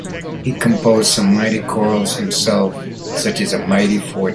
He composed some chorales himself, such as "A Mighty Fortress".